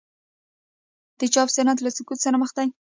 د چاپ صنعت له سقوط سره مخ دی؟